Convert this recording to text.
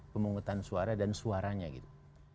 pemungutan suara dan suaranya gitu